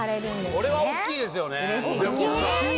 これは大きいですよね大きい！